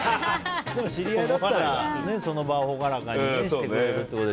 知り合いだったらその場を朗らかにしてくれるってことで。